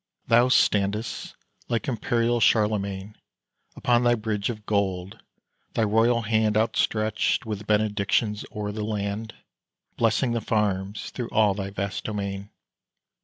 Thou standest, like imperial Charlemagne, Upon thy bridge of gold; thy royal hand Outstretched with benedictions o'er the land, Blessing the farms through all thy vast domain.